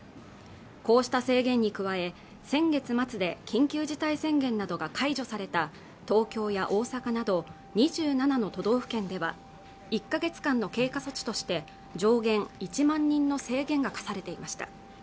こうした制限に加え先月末で緊急事態宣言などが解除された東京や大阪など２７の都道府県では１か月間の経過措置として上限１万人の制限が課されていました